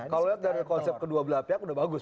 kalau lihat dari konsep kedua belah pihak udah bagus